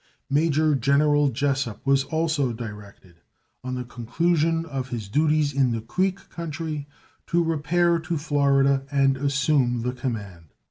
Major General Jesup was also directed, on the conclusion of his duties in the Creek country, to repair to Florida and assume the command.